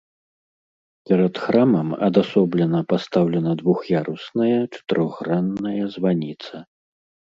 Перад храмам адасоблена пастаўлена двух'ярусная чатырохгранная званіца.